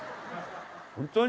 「本当に？